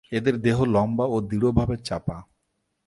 এদের দেহ লম্বা ও দৃঢ়ভাবে চাপা।